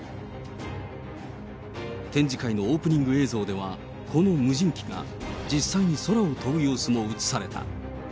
展示会のオープニング映像では、この無人機が実際に空を飛ぶ様子も映された。